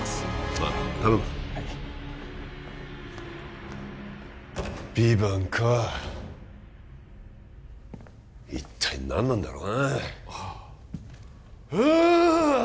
ああ頼むはいヴィヴァンか一体何なんだろうなはあああ！